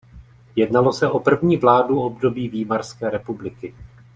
Jednalo se o první vládu období Výmarské republiky.